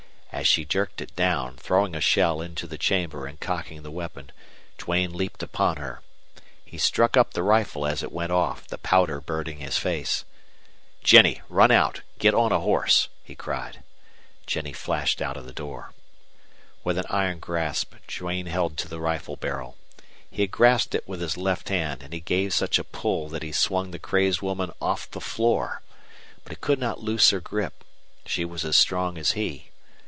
As she jerked it down, throwing a shell into the chamber and cocking the weapon, Duane leaped upon her. He struck up the rifle as it went off, the powder burning his face. "Jennie, run out! Get on a horse!" he said. Jennie flashed out of the door. With an iron grasp Duane held to the rifle barrel. He had grasped it with his left hand, and he gave such a pull that he swung the crazed woman off the floor. But he could not loose her grip. She was as strong as he.